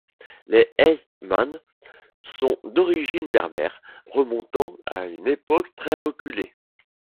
Les Ait M’hand sont d’origine berbère remontant à une époque très reculée.